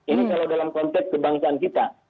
ini kalau dalam konteks kebangsaan kita